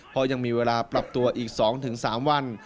เพราะยังมีเวลาปรับตัวอีก๒๓วัน